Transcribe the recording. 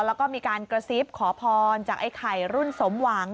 แล้วก็มีการกระซิบขอพรจากไอ้ไข่รุ่นสมหวัง